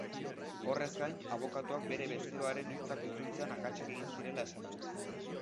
Horrez gain, abokatuak bere bezeroaren hitzak itzultzean akatsak egin zirela esan du.